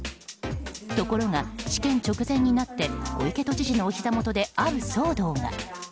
ところが、試験直前になって小池都知事のおひざ元である騒動が。